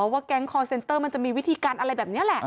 แก๊งคอร์เซ็นเตอร์มันจะมีวิธีการอะไรแบบนี้แหละ